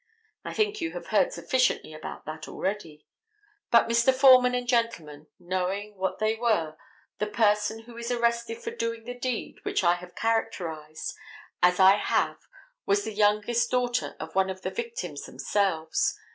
I think you have heard sufficiently about that already. But, Mr. Foreman and gentlemen, knowing what they were, the person who is arrested for doing the deed which I have characterized as I have was the youngest daughter of one of the victims themselves.